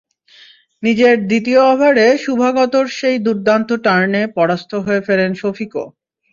নিজের দ্বিতীয় ওভারে শুভাগতর সেই দুর্দান্ত টার্নে পরাস্ত হয়ে ফেরেন শফিকও।